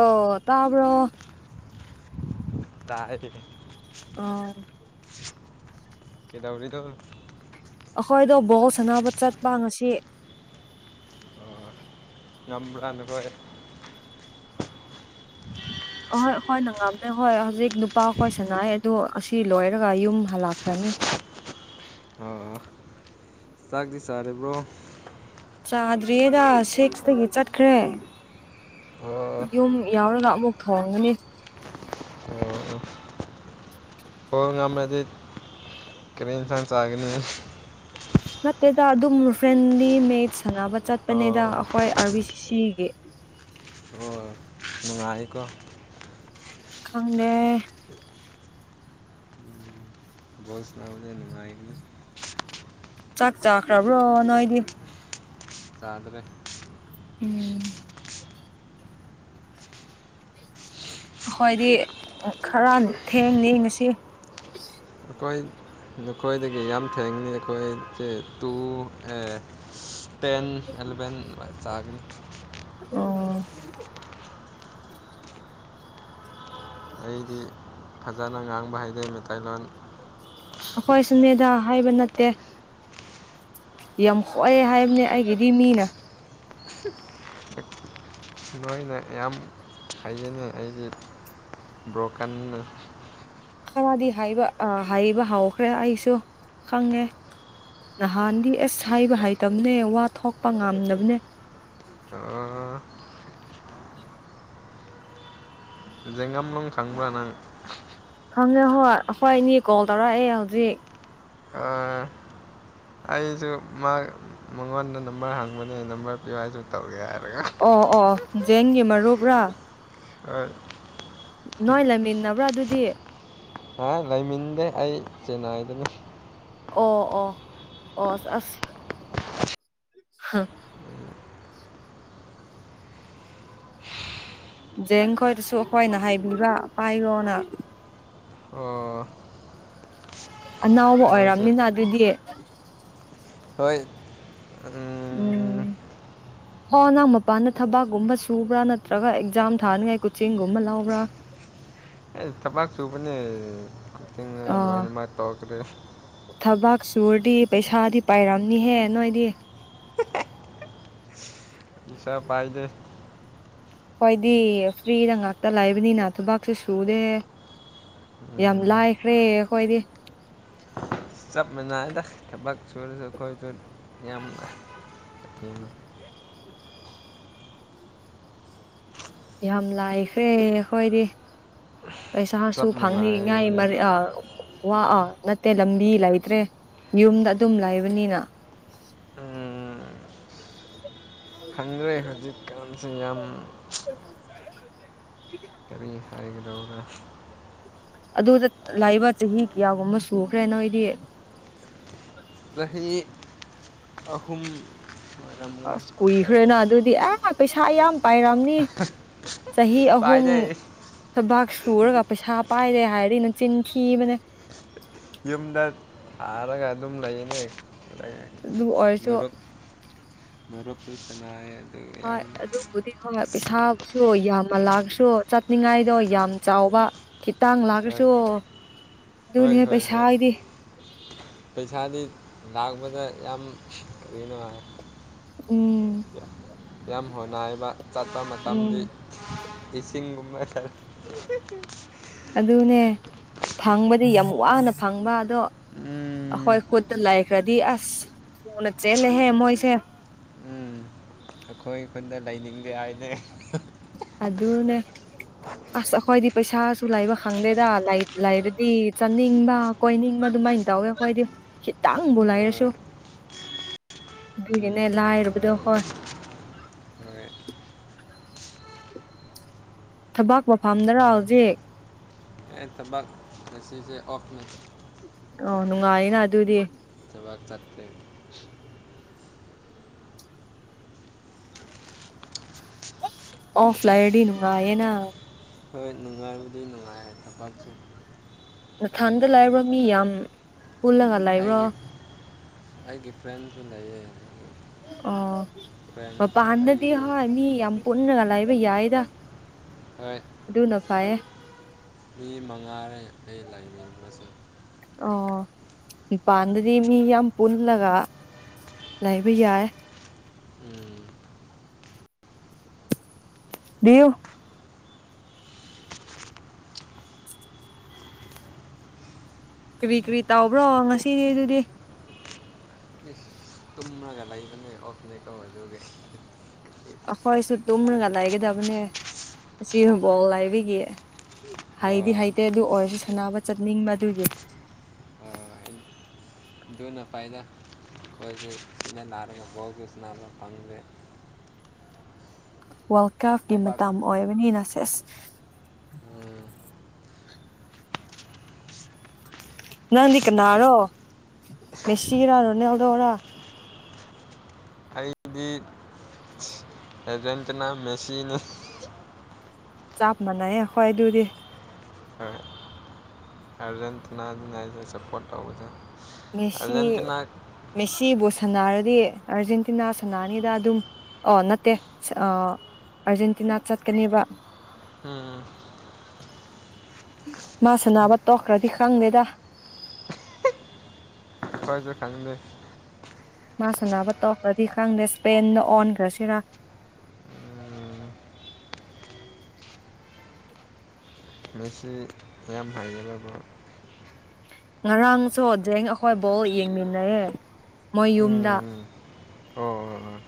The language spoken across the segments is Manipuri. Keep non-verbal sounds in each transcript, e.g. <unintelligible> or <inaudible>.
ꯑꯣ ꯇꯕꯔ ꯇꯥꯛꯑꯗꯒꯤꯗꯤ ꯑ ꯀꯦꯗꯥꯧꯔꯤꯅꯣ ꯑꯩꯈꯣꯏꯗꯣ ꯕꯥꯎ ꯁꯥꯟꯅꯕ ꯆꯠꯄ ꯉꯁꯤ ꯅꯝꯕ꯭ꯂꯅꯄꯔꯦ <inaudible> ꯍꯣꯏꯅꯪꯉ ꯑꯃꯃꯦ ꯍ ꯍꯧꯖꯤꯛ ꯅꯨꯄꯥ ꯀꯣꯏꯁꯅ ꯑꯗ ꯑꯁꯤ ꯂꯣꯏꯔꯒ ꯌꯨꯝ ꯍꯜꯂꯛꯈ꯭ꯔꯅꯤ ꯑꯣ ꯆꯒꯗꯤ ꯁꯥ ꯑꯔꯦ ꯄ꯭ꯔꯣ ꯆꯥꯗ꯭ꯔꯤꯌꯦꯗ ꯁꯤꯛꯁꯇꯒꯤ ꯆꯠꯈ꯭ꯔꯦ ꯑꯣ ꯌꯨꯝ ꯌꯥꯎꯔꯒ ꯑꯃꯨꯛ ꯊꯣꯡꯒꯅꯤ ꯍ ꯉ ꯃꯃꯦꯗꯤ ꯀꯔꯤ ꯑꯦꯟꯁꯡ ꯁꯥꯒꯅꯤ ꯅꯠꯇꯦꯗ ꯑꯗꯨꯝ ꯐ꯭ꯔꯦꯟꯂꯤ ꯃꯦꯠ ꯁꯥꯟꯅꯕ ꯆꯠꯄꯅꯦꯗ ꯑꯣ ꯑꯩꯈꯣꯏ ꯑꯥꯔ ꯕꯤ ꯁꯤ ꯁꯤ ꯑꯦ <unintelligible> <inaudible> ꯅꯨꯡꯉ ꯑꯩꯀꯣ ꯈꯪꯗꯦ ꯁ ꯁꯅꯥꯎ ꯅꯨꯡꯃꯥꯏꯀꯗ ꯆꯥꯛ ꯆꯈ꯭ꯔꯕ꯭ꯔꯣ ꯅꯥꯏꯗꯤ ꯆꯥꯗꯒ ꯎꯝ ꯑꯩꯈꯣꯏꯗꯤ ꯈꯔ ꯊꯦꯡꯅꯩ ꯉꯁꯤ ꯑꯩꯈꯣꯏ ꯅꯈꯣꯏꯗꯒꯤ ꯌꯥꯝ ꯐꯦꯡꯅꯤ ꯑꯩꯈꯣꯏꯁꯦ ꯇꯨ ꯑꯦ ꯇꯦꯟ ꯑꯦꯂꯚꯦꯟ ꯆꯥꯒꯅꯤ ꯑ <unintelligible> <inaudible> ꯑꯩꯗꯤ ꯐꯖꯅ ꯉꯥꯡꯕ ꯍꯩꯇꯦ ꯃꯩꯇꯩꯂꯣꯟ ꯑꯩꯈꯣꯏ ꯁꯨꯅꯦꯗꯥ ꯍꯥꯏꯕ ꯅꯠꯇꯦ ꯌꯥꯝ ꯍꯣꯛꯑꯦ ꯍꯥꯏꯕꯅꯦ ꯑꯩꯒꯤꯗꯤ ꯃꯤꯅ ꯅꯣꯏꯅ ꯌꯥꯝ ꯍꯥꯏꯖꯅꯤꯡ ꯑꯩꯁꯦ ꯕ꯭ꯔꯣꯀꯟ ꯈꯔꯗꯤ ꯍꯥꯏꯕ ꯑ ꯍꯥꯏꯕ ꯍꯧꯈ꯭ꯔꯦ ꯑꯩꯁꯨ ꯈꯪꯉꯦ ꯅꯍꯥꯟꯗꯤ ꯑꯁ ꯍꯥꯏꯕ ꯍꯥꯏꯇꯕꯅꯦ ꯋꯥ ꯊꯣꯛꯄ ꯉꯝꯗꯕꯅꯦ ꯑ <inaudible> ꯦꯡꯒꯝ ꯂꯣꯡ ꯊꯪꯕ ꯅꯪ ꯈꯪꯉꯦ ꯍꯣꯏ ꯑꯩꯈꯣꯏ ꯏꯅꯤ ꯀꯣꯜ ꯇꯧꯔꯛꯑꯦ ꯍꯧꯖꯤꯛ ꯑ ꯑꯩꯁꯨ ꯃꯥ ꯃꯉꯣꯟꯗ ꯅꯝꯕꯔ ꯍꯪꯕꯅꯦ ꯅꯝꯕꯔ ꯄꯤꯨ ꯍꯥꯏꯁꯨ ꯇꯧꯒꯦ ꯍꯥꯏꯕ ꯑꯣ ꯑꯣ ꯖꯦꯟꯒꯤ ꯃꯔꯨꯕ꯭ꯔꯥ ꯍꯣꯏ ꯅꯣꯏ ꯂꯩꯃꯤꯟꯅꯕ꯭ꯔꯥ ꯑꯗꯨꯗꯤ ꯍꯥ ꯂꯩꯃꯤꯟꯗꯦ ꯑꯩ ꯆꯦꯟꯅꯥꯏꯗꯅꯤ ꯑꯣ ꯑꯣ ꯑꯣ ꯑꯁ ꯍꯥ ꯖꯦꯡ ꯈꯣꯏꯗꯁꯨ ꯑꯩꯈꯣꯏꯅ ꯍꯥꯏꯕꯤꯕ ꯄꯥꯏꯌꯣꯅ ꯑꯣ ꯑꯅꯥꯕ ꯃꯥꯏꯁꯨ ꯑꯣꯏꯔꯝꯅꯤꯅ ꯑꯗꯨꯗꯤ ꯍꯣꯏ ꯎꯝ ꯑꯣ ꯅꯪ ꯃꯄꯥꯟꯗ ꯊꯕꯥꯛꯀꯨꯝꯕ ꯁꯨꯕ꯭ꯔꯥ ꯅꯠꯇ꯭ꯔꯒ ꯑꯦꯛꯖꯥꯝ ꯊꯥꯅꯤꯉꯥꯏ ꯀꯣꯆꯤꯡꯒꯨꯝꯕ ꯂꯕ꯭ꯔꯥ <inaudible> ꯑꯦ ꯊꯄꯥꯥꯛꯁꯨꯨꯕ ꯀꯆꯤꯡ ꯑꯥ ꯂ ꯃꯥ ꯇꯧꯀ ꯔꯦ ꯀꯛꯆꯨꯔꯗꯤ ꯄꯩꯁꯥꯗꯤ ꯄꯥꯏꯔꯝꯅꯤꯍꯦ ꯅꯣꯏꯗꯤ ꯏꯁ ꯐꯥꯏꯗꯦ ꯍꯣꯏꯗꯤ ꯐ꯭ꯔꯤꯗ ꯉꯥꯛꯇ ꯂꯥꯛꯕꯅꯤꯅ ꯊꯕꯥꯛꯁꯦ ꯁꯨꯔꯦ ꯌꯥꯝ ꯂꯥꯏꯈ꯭ꯔꯦ ꯑꯩꯈꯣꯏꯗꯤ ꯆꯞ ꯃꯥꯟꯅꯗ ꯊꯕꯛ ꯁꯨꯔꯁꯨ ꯑꯩꯈꯣꯏꯁꯨ ꯌꯥꯝ <inaudible> ꯎꯝ ꯌꯥꯝ ꯂꯥꯛꯈꯦ ꯑꯩꯈꯣꯏꯗꯤ ꯄꯩꯁꯥꯁꯨ ꯆꯞ ꯐꯪꯉꯥꯏ ꯃꯥꯟꯅꯩꯌꯦ ꯑꯥ ꯋꯥ ꯑꯥ ꯅꯠꯇꯦ ꯂꯝꯕꯤ ꯂꯩꯇ꯭ꯔꯦ ꯌꯨꯝꯗ ꯑꯗꯨꯝ ꯂꯩꯕꯅꯤꯅ ꯈꯪ꯭ꯔꯦ ꯍꯧꯖꯤꯛꯀꯁꯤ ꯌꯥꯝ ꯀꯔꯤ ꯁꯔꯒꯤ ꯂ ꯑꯗꯨꯗ ꯂꯥꯛꯏꯕ ꯆꯍꯤ ꯀꯌꯥꯒꯨꯝꯕ ꯁꯨꯈ꯭ꯔꯦ ꯅꯣꯏꯗꯤ ꯔꯦ ꯑꯍꯨꯝ ꯑꯁ ꯑꯣꯏꯔꯝꯒꯅꯤ ꯀꯨꯏꯈ꯭ꯔꯦꯅ ꯑꯗꯨꯗꯤ ꯑꯦ ꯄꯩꯁꯥ ꯌꯥꯝꯌꯥꯝ ꯄꯥꯏꯔꯝꯅꯤ ꯆꯍꯤ ꯑꯍꯨꯝ ꯄꯥꯏꯗꯩ ꯊꯕꯥꯛ ꯁꯨꯔꯒ ꯄꯩꯁꯥ ꯄꯥꯏꯔꯦ ꯍꯥꯏꯔꯤ ꯅ ꯆꯤꯟꯈꯤꯤ ꯃꯅꯦ ꯌꯨꯝꯗ ꯊꯔꯒ ꯑꯗꯨꯝ ꯂꯩꯅꯦ ꯑꯗꯨ ꯑꯣꯏꯔꯁꯨ ꯁ ꯁꯅꯥ ꯍꯣꯏ ꯑꯗꯨꯕꯨꯗꯤ ꯍꯣꯏ ꯄꯩꯁꯥꯕꯨꯁꯨ ꯌꯥꯝꯅ ꯂꯥꯛꯁꯨ ꯆꯠꯅꯤꯡꯉꯥꯏꯗꯣ ꯌꯥꯝ ꯆꯥꯎꯕ ꯈꯤꯇꯥꯡ ꯍꯣꯏ ꯂꯥꯛꯈ꯭ꯔꯁꯨ ꯍꯣꯏ ꯑꯗꯨꯅꯦ ꯍꯣꯏ ꯄꯩꯁꯥ ꯍꯣꯏ ꯍꯥꯏꯗꯤ ꯄꯩꯁꯥꯗꯤ ꯂꯥꯛꯄꯗ ꯌꯥꯝ ꯅ ꯍꯥꯏ ꯎꯝ ꯌꯥꯝ ꯍꯣꯅ ꯍꯥꯏꯕ ꯆꯠꯄ ꯎꯝ ꯃꯇꯝꯗꯤ ꯏꯁꯤꯡꯒꯨꯝꯕ ꯑꯗꯨꯅꯦ ꯐꯪꯕꯗꯤ ꯌꯥꯝ ꯋꯥꯅ ꯐꯪꯕ ꯑꯗꯣ ꯎꯝ ꯑꯩꯈꯣꯏ ꯈꯨꯣꯠꯇ ꯂꯥꯏꯈ꯭ꯔꯗꯤ ꯑꯁ ꯊꯨꯅ ꯆꯦꯜꯂꯦꯍꯦ ꯃꯣꯏꯁꯦ ꯎꯝ ꯑꯩꯈꯣꯏ ꯑꯩ ꯈꯨꯟꯗ ꯂꯩꯅꯤꯡꯗꯦ ꯍꯥꯏꯔꯦ ꯑꯗꯨ ꯑꯗꯨ ꯅ ꯑꯁ ꯑꯩꯈꯣꯏꯗꯤ ꯄꯩꯁꯥꯁꯨ ꯂꯩꯕ ꯈꯪꯗꯦꯗ ꯂꯩꯔꯗꯤ ꯆꯥꯅꯤꯡꯕ ꯀꯣꯏꯅꯤꯡꯕ ꯑꯗꯨ ꯀꯃꯥꯏꯅ ꯇꯧꯒꯦ ꯑꯩꯈꯣꯏꯗꯤ ꯈꯤꯇꯪꯕꯨ ꯍꯣꯏ ꯂꯩꯔꯁꯨ <inaudible> ꯎꯝ ꯑꯗꯨꯒꯤꯅꯦ ꯂꯥꯏꯔꯨꯕꯗꯣ ꯍꯣꯏ ꯍꯣꯏ ꯊꯕꯛ ꯃꯐꯝꯗꯔ ꯍꯧꯖꯤꯛ ꯇꯕꯛ ꯁꯤꯁꯦ ꯑꯣꯐ ꯅ ꯑꯣ ꯉ ꯑꯏꯩꯅ ꯑꯗꯨꯕꯨꯗꯤ ꯆꯕꯥꯥꯛ ꯆꯠ ꯑꯣꯐꯂꯥꯏ ꯑꯗꯤꯩꯅꯨꯉ ꯌꯦꯅꯥ ꯍꯣꯏ ꯅꯨꯡꯉꯥꯏꯕꯨꯗꯤ ꯅꯨꯡꯉꯥꯏ ꯊꯕꯛꯁꯨ ꯌꯥꯝ ꯅꯊꯟꯗ ꯅꯨꯡꯉꯥꯏ ꯂꯥꯛꯏꯕ꯭ꯔꯣ ꯃꯤ ꯌꯥꯝ ꯄꯨꯜꯂꯒ ꯂꯩꯥꯛꯏꯕ꯭ꯔꯣ ꯑꯗꯨ ꯂꯩꯌꯦ ꯐ꯭ꯔꯦꯟ ꯑꯣ ꯄꯥꯥꯟꯗꯗꯤ ꯑꯩꯕꯨ ꯍ ꯑ ꯌꯥꯝ ꯄꯟꯅꯒꯂ ꯍꯥꯏ ꯌꯥꯏꯗ ꯍꯣꯏ ꯑꯗꯨꯅ ꯐꯌꯦ ꯃꯤ ꯃꯉꯥꯔꯦ ꯑꯩ ꯂꯥꯏꯅꯤꯡꯉꯁꯨ ꯑꯣ ꯄꯥꯟꯗꯔꯤ ꯃꯤ ꯌꯥꯝ ꯄꯨꯟꯂꯒ ꯂꯥꯏꯕꯩ ꯌꯥꯔ ꯎꯝ ꯗꯤꯌꯨ ꯀꯔꯤ ꯀꯔꯤ ꯇꯧꯕ꯭ꯔꯣ ꯉꯁꯤ ꯑꯗꯨꯗꯤ ꯑꯣꯐ ꯂꯩ ꯀꯃꯥꯏꯇꯧꯒꯦ ꯑꯩꯈꯣꯏꯁꯨ ꯇꯨꯝꯔꯒ ꯂꯩꯒꯗꯕꯅꯦ ꯑꯁꯤ ꯕꯣꯜ ꯂꯩꯕꯒꯤ ꯍꯩꯗꯤ ꯑꯣ ꯍꯩꯇꯦ ꯑꯗꯨ ꯑꯣꯏꯔꯁꯨ ꯁꯥꯟꯅꯕ ꯆꯠꯅꯤꯡꯕ ꯑꯗꯨꯒꯤ ꯑꯣ ꯑꯗꯨꯅ ꯐꯩꯗ ꯑꯩꯈꯣꯏꯁꯨ ꯂꯥꯛꯔꯒ ꯕꯣꯜ ꯁꯥꯅꯕ ꯐꯪꯗꯦ ꯋꯥꯔꯜ ꯀꯞꯀꯤ ꯊꯕꯛ ꯃꯇꯝ ꯑꯣꯏꯕꯅꯤꯅ ꯁꯦꯁ ꯎꯝ ꯅꯪꯗꯤ ꯀꯅꯥꯔꯣ ꯃꯦꯁꯤꯔ ꯔꯣꯅꯥꯟꯗꯣꯔ ꯑꯥꯔꯖꯦꯟꯇꯤꯅꯥ ꯃꯦꯁꯤꯅꯦ ꯆꯥꯞ ꯃꯅꯥꯏꯌꯦ ꯑꯩꯈꯣꯏ ꯑꯗꯨꯗꯤ ꯍꯣꯏ ꯑꯥꯔꯖꯦꯟꯇꯤꯅ ꯅꯤꯅ ꯑꯩꯈꯣꯏ ꯁꯄꯣꯠ ꯇꯧꯕꯅꯦ ꯃꯦꯁꯤ ꯃꯦꯁꯤꯕꯨ ꯁꯥꯅꯔꯗꯤ ꯑꯥꯔꯖꯦꯟꯇꯤꯅꯥ ꯁꯥꯟꯅꯅꯤꯗ ꯑꯗꯨꯝ ꯑꯣ ꯅꯠꯇꯦ ꯑꯥ ꯑꯥꯔꯖꯦꯟꯇꯤꯅꯥ ꯆꯠꯀꯅꯦꯕ ꯎꯝ ꯃꯥ ꯁꯥꯅꯕ ꯇꯣꯛꯈ꯭ꯔꯗꯤ ꯈꯪꯗꯦꯗ ꯍꯣꯏꯁꯦ ꯈꯪꯗꯦ ꯃꯥ ꯁꯥꯟꯅꯕ ꯇꯧꯀꯈꯔꯗꯤ ꯈꯪꯗꯦ ꯏꯁꯄꯦꯟꯗ ꯑꯣꯟꯈ꯭ꯔꯁꯤꯔ ꯎꯝ ꯃꯦꯁꯤ ꯃꯌꯥꯝ ꯍꯩꯒꯅꯦꯕꯣ ꯉꯔꯥꯡꯁꯨ ꯖꯦꯡ ꯑꯩꯈꯣꯏ ꯕꯣꯜ ꯌꯦꯡꯃꯤꯟꯅꯩꯌꯦ ꯃꯣꯏ ꯌꯨꯝꯗ ꯎꯝ ꯑꯣ ꯑꯣ ꯑꯣ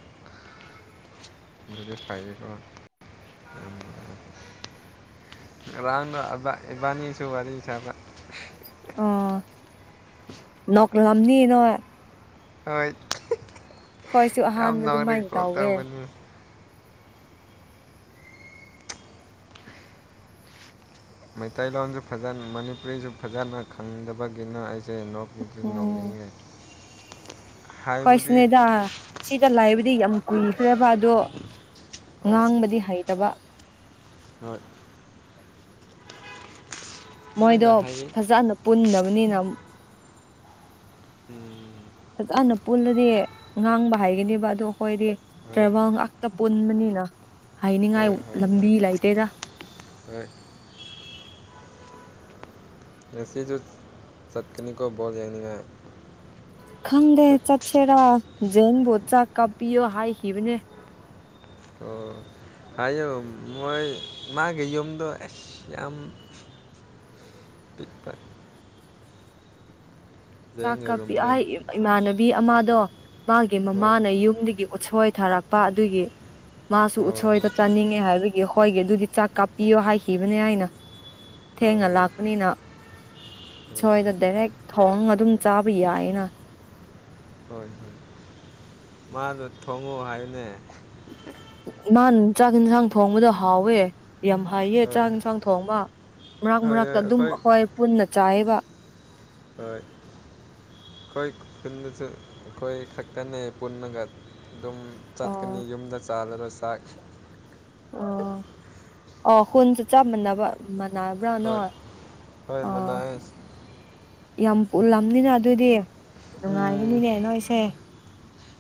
ꯑꯗꯨꯗꯤ ꯐꯩꯌꯦꯀꯣ ꯉꯔꯥꯡꯅ ꯏꯕ ꯏꯕꯥꯅꯤꯁꯨ ꯋꯥꯔꯤ ꯁꯥꯅ ꯑꯣ ꯅꯣꯛꯂꯝꯅꯤ ꯅꯣꯏ ꯍꯣꯏ ꯑꯩꯈꯣꯏꯁꯨ ꯑꯍꯥꯟꯕ ꯌꯥꯝ ꯅꯣꯛꯔꯒ ꯑꯗꯨꯃꯥꯏꯅ ꯀꯣꯜ ꯇꯧꯋꯦ ꯇꯧꯕꯅꯤ ꯃꯩꯇꯩꯂꯣꯟꯁꯨ ꯐꯖꯅ ꯃꯅꯤꯄꯨꯔꯤꯁꯨ ꯐꯖꯅ ꯈꯪꯗꯕꯒꯤꯅ ꯑꯩ ꯁꯦ ꯅꯣꯛꯅꯤꯡꯁꯨ ꯅꯣꯡꯅꯤꯡꯉꯦ ꯑꯩꯈꯣꯏ ꯁꯨꯅꯦꯗ ꯁꯤꯗ ꯂꯩꯕꯗꯤ ꯌꯥꯝ ꯀꯨꯏꯈ꯭ꯔꯦꯕ ꯑꯗꯣ ꯍꯣꯏ ꯉꯥꯡꯕꯗꯤ ꯍꯩꯇꯕ ꯍꯣꯏ ꯃꯣꯏꯗꯣ ꯂꯣꯏꯅ ꯍꯩꯌꯦ ꯐꯖꯅ ꯄꯨꯟꯗꯕꯅꯤꯅ ꯎꯝ ꯐꯖꯅ ꯄꯨꯜꯂꯗꯤ ꯉꯥꯡꯕ ꯍꯩꯒꯅꯦꯕ ꯑꯗꯨ ꯑꯩꯈꯣꯏꯗꯤ ꯍꯣꯏ ꯇ꯭ꯔꯚꯦꯜ ꯉꯥꯛꯇ ꯄꯨꯟꯕꯅꯤꯅ ꯍꯩꯅꯤꯡꯉꯥꯏ ꯍꯣꯏ ꯍꯣꯏ ꯍꯣꯏ ꯂꯝꯕꯤ ꯂꯩꯇꯦꯗ ꯍꯣꯏ ꯉꯥꯁꯤꯁꯨ ꯆꯠꯀꯅꯤ ꯀꯣ ꯕꯣꯜ ꯌꯦꯡꯅꯤ ꯉꯥꯏ ꯈꯪꯗꯦ ꯆꯠꯁꯦꯔꯥ ꯖꯤꯡꯕꯨ ꯆꯥꯛ ꯀꯥꯄꯤꯌꯣ ꯍꯥꯏꯈꯤꯕꯅꯦ ꯑꯣ ꯍꯥꯏꯌꯣ ꯃꯣꯏ ꯃꯥꯒꯤ ꯌꯨꯝꯗꯣ ꯑꯁ ꯌꯥꯝ ꯄꯤꯛꯄ ꯆꯥꯛ ꯖꯦꯡꯒꯤ ꯀꯥꯞꯄꯤ ꯔꯨꯝꯗꯣ ꯍꯥꯏ ꯏꯃꯥꯟꯅꯕꯤ ꯑꯃꯗꯣ ꯃꯥꯒꯤ ꯍꯣꯏ ꯃꯃꯥꯅ ꯌꯨꯝꯗꯒꯤ ꯎꯠꯁꯣꯏ ꯊꯥꯔꯛꯄ ꯑꯗꯨꯒꯤ ꯃꯥꯁꯨ ꯑꯣ ꯎꯠꯁꯣꯏꯗꯣ ꯆꯥꯅꯤꯡꯉꯦ ꯍꯥꯏꯕꯒꯤ ꯍꯣꯏꯒꯤ ꯑꯗꯨꯗꯤ ꯆꯥꯛ ꯀꯥꯞꯄꯤꯌꯣ ꯍꯥꯏꯈꯤꯕꯅꯦ ꯍꯥꯏꯅ ꯑꯣ ꯊꯦꯡꯅ ꯂꯥꯛꯄꯅꯤꯅ ꯑꯣ ꯎꯁꯣꯏꯗꯣ ꯗꯥꯏꯔꯦꯛ ꯊꯧꯔꯉ ꯑꯗꯨꯝ ꯆꯥꯕ ꯌꯥꯏꯌꯦꯅ ꯍꯣꯏ ꯍꯣꯏ ꯃꯥꯗꯣ ꯊꯣꯡꯉꯣ ꯍꯥꯏꯌꯨꯅꯦ ꯃꯥ ꯆꯥꯛ ꯌꯦꯟꯁꯥꯡ ꯊꯣꯡꯕꯗꯣ ꯍꯥꯎꯋꯦ ꯌꯥꯝ ꯍꯩꯌꯦ ꯍꯣꯏ ꯆꯥꯛ ꯏꯟꯁꯥꯡ ꯊꯣꯡꯕ ꯃꯔꯛ ꯍꯣꯏ ꯍꯣꯏ ꯃꯔꯛꯇ ꯑꯗꯨꯝ ꯑꯩꯈꯣꯏ ꯄꯨꯟꯅ ꯆꯥꯏꯌꯦꯕ ꯀꯣꯏ ꯈꯨꯟ ꯀꯣꯏ ꯈꯥꯛꯛꯇꯅꯦ ꯄꯨꯟꯅꯟꯅ ꯉꯗ ꯑꯗꯨꯝ ꯆꯠꯀꯅꯤ ꯑꯣ ꯌꯨꯝꯗ ꯆꯥꯜꯂꯔ ꯆꯥꯛ ꯑꯣ ꯑꯣ ꯈꯨꯟꯁꯨ ꯆꯥꯃꯅꯕ ꯅꯥꯏꯕ꯭ꯔꯥꯅ ꯍꯣꯏ ꯅꯣꯢ ꯍꯣꯏ ꯃꯅꯥꯏꯁ ꯌꯥꯝ ꯄꯨꯜꯂꯝꯅꯤꯅ ꯑꯗꯨꯗꯤ ꯎꯝ ꯅꯨꯡꯉꯥꯏꯒꯅꯤꯅꯦ ꯅꯣꯏꯁꯦ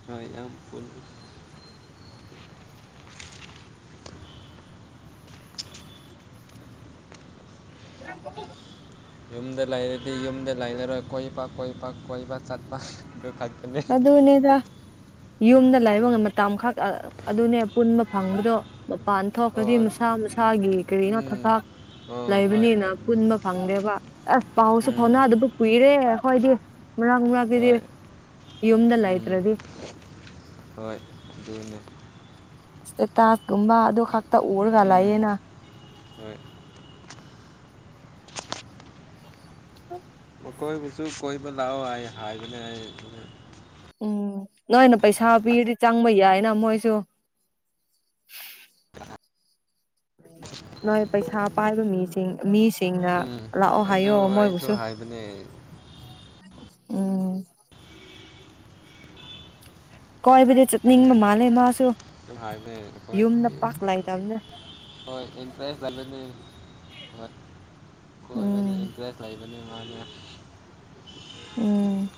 ꯍꯣꯏ ꯌꯥꯝ ꯄꯨ <inaudible> ꯌꯨꯝꯗ ꯂꯩꯔꯗꯤ ꯌꯨꯝꯗ ꯂꯩꯅꯔꯣꯏ ꯀꯣꯏ ꯄꯥꯛ ꯀꯣꯏ ꯄꯥꯛ ꯀꯣꯏꯕ ꯆꯠꯄ ꯈꯛꯇꯅꯦ ꯑꯗꯨꯅꯦꯗꯥ ꯌꯨꯝꯗ ꯂꯥꯏꯕꯡꯃꯇꯝ ꯈꯛ ꯑꯗꯨꯅꯦ ꯄꯨꯟꯕ ꯐꯪꯕꯗꯣ ꯃꯄꯥꯟ ꯊꯣꯛꯄꯗꯤ ꯃꯁꯥ ꯃꯁꯥꯒꯤ ꯀꯔꯤꯅꯣ ꯊꯕꯥꯛ ꯂꯩꯕꯅꯤꯅ ꯄꯨꯟꯕ ꯐꯪꯗꯦꯕ ꯑꯁ ꯄꯥꯎꯁꯨ ꯐꯥꯎꯅꯥ ꯑꯗꯨꯕꯨ ꯀꯨꯏꯔꯦ ꯑꯩꯣꯏꯗꯤ ꯃꯔꯛ ꯃꯔꯛꯇꯗꯤ ꯌꯨꯝꯗ ꯂꯩꯇ꯭ꯔꯗꯤ ꯑꯗꯨꯅꯦ ꯇꯥꯁꯒꯨꯝꯕ ꯑꯗꯨ ꯐꯛꯇ ꯎꯝ ꯑꯣꯔꯒꯂꯑꯌꯦꯅ <inaudible> ꯑ ꯀꯣꯏꯕꯨꯁꯨ ꯀꯣꯢꯕ ꯂꯥꯑꯣ ꯍꯥꯏꯕꯅꯦ ꯍꯥꯏ ꯎꯝ ꯅꯣꯏꯅ ꯄꯩꯁꯥ ꯄꯤꯔꯗꯤ ꯆꯪꯕ ꯌꯥꯏꯅ ꯃꯣꯏꯁꯨ ꯍ ꯅꯣꯏ ꯄꯩꯁꯥ ꯄꯥꯏꯕ ꯃꯤꯁꯤꯡ ꯃꯤꯁꯤꯡꯅ ꯎꯝ ꯂꯥꯛꯑꯣ ꯑꯗꯨ ꯍꯥꯏꯥꯏꯌꯣ ꯑꯩꯁꯨ ꯃꯣꯢꯕꯨꯨꯁꯨ ꯍꯥꯏꯕꯅꯦ ꯎꯝ ꯀꯣꯏꯕꯨ ꯆꯅꯤꯡꯕ ꯃꯥꯂꯦ ꯃꯥꯁꯨ ꯍꯥꯏꯅꯦ ꯏ ꯌꯨꯝꯗ ꯄꯥꯛ ꯂꯩꯇꯕꯅꯦ ꯍꯣꯏ ꯏꯟꯇ꯭ꯔꯦꯁꯅꯦ ꯍꯣꯏ ꯀꯣꯏꯕꯅꯤ ꯎꯝ ꯏꯟꯇꯔꯦꯁ ꯂꯩꯕꯅꯤ ꯃꯥꯅꯤ ꯎꯝ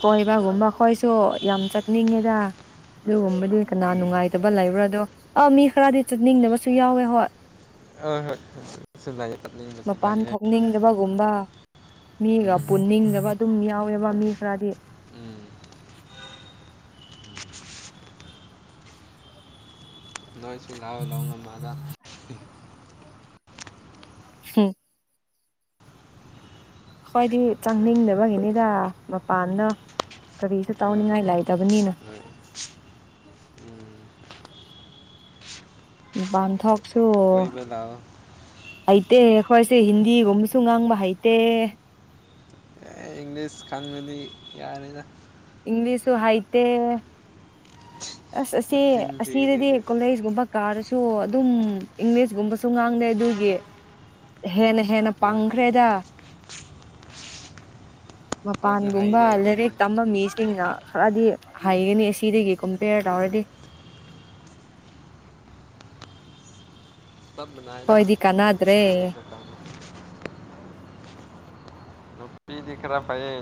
ꯀꯣꯏꯕꯒꯨꯝꯕ ꯑꯩ ꯈꯣꯏꯁꯨ ꯌꯥꯝ ꯆꯠꯅꯤꯡꯉꯦꯗ ꯑꯗꯨꯒꯨꯝꯕꯗꯤ ꯀꯅꯥ ꯎꯝ ꯅꯨꯡꯉꯥꯏꯇꯕ ꯂꯩꯕ꯭ꯔꯥꯗꯣ ꯑꯥ ꯃꯤ ꯈꯔꯗꯤ ꯆꯠꯅꯤꯡꯗꯕꯁꯨ ꯌꯥꯎꯋꯦ ꯍꯣꯏ ꯍ ꯍꯣꯏ ꯍ ꯂꯦ ꯃꯄꯥꯟ ꯊꯣꯛꯅꯤꯡꯗꯕꯒꯨꯝꯕ ꯃꯤꯒ ꯎꯝ ꯄꯨꯟꯅꯤꯡꯗꯕ ꯑꯗꯨꯝ ꯌꯥꯎꯋꯦꯕ ꯃꯤ ꯈꯔꯗꯤ ꯎꯝ ꯂꯣꯏ ꯆꯨꯜꯍꯥ ꯂꯒ ꯃꯖ ꯎꯝ ꯈꯋꯥꯗꯤ ꯆꯪꯅꯤꯡꯗꯕꯒꯤꯅꯤꯗ ꯃꯄꯥꯟꯅ ꯀꯔꯤꯁꯨ ꯍꯣꯏ ꯇꯧꯅꯤꯡꯉꯥꯏ ꯂꯩꯇꯕꯅꯤꯅ <inaudible> ꯥꯄꯥꯟꯙꯣꯛ ꯀꯣꯏꯕꯗꯥꯑꯣ ꯍꯩꯇꯦ ꯈꯣꯏꯁꯦ ꯍꯤꯟꯗꯤꯒꯨꯝꯕꯁꯨ ꯉꯥꯡꯕ ꯍꯩꯇꯦ ꯑꯦ ꯏꯪꯂꯤꯁ ꯈꯪꯂꯗꯤ ꯌꯥꯔꯦꯗ ꯏꯪꯂꯤꯁꯨꯨ ꯍꯥꯏꯇ ꯑꯁ ꯑꯁꯤ ꯅꯆꯤꯟ ꯊꯤꯒꯅꯤ ꯑꯁꯤꯗꯗꯤ ꯑꯗꯨꯗꯤ ꯀꯣꯂꯩꯁꯒꯨꯝꯕ ꯀꯥꯔꯁꯨ ꯁꯨ ꯑꯗꯨꯝ ꯏꯪꯂꯤꯁꯒꯨꯝꯕꯁꯨ ꯉꯥꯡꯅꯩ ꯑꯗꯨꯒꯤ ꯍꯦꯟꯅ ꯍꯦꯟꯅ ꯍꯣꯏ ꯄꯪꯈ꯭ꯔꯦꯗ ꯑꯩꯈꯣꯏꯁꯨ ꯃꯄꯥꯟꯒꯨꯝꯕ ꯍꯩꯗꯤ ꯑꯗꯨꯝ ꯂꯤꯔꯤꯛ ꯇꯝꯕ ꯃꯤꯁꯤꯡꯅ ꯈꯔꯗꯤ ꯍꯩꯒꯅꯤ ꯑꯁꯤꯗꯒꯤ ꯀꯝꯄꯦꯔ ꯇꯧꯔꯗꯤ ꯇ ꯃꯅꯥꯏꯗ ꯍꯣꯏꯗꯤ ꯀꯥꯟꯅꯗ꯭ꯔꯦ ꯇꯔꯦ ꯀ ꯅꯨꯄꯤꯗꯤ ꯈꯔ ꯐꯩꯌꯦ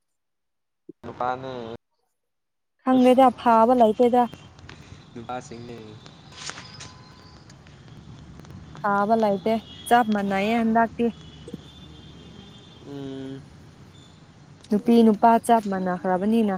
ꯅꯨꯄꯥꯅꯤ ꯍꯪꯗꯗꯦ ꯐꯥꯕ ꯂꯩꯇꯦꯗ ꯅꯨꯄꯥꯁꯤꯡꯅꯤ ꯐꯕ ꯂꯩꯇꯦ ꯆꯞ ꯃꯅꯌꯦ ꯂꯥꯛꯇ ꯎꯝ ꯅꯨꯄꯤ ꯅꯨꯄꯥ ꯆꯠ ꯃꯥꯟꯅꯈ꯭ꯔꯕꯅꯤꯅ